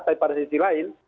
tapi pada sisi lain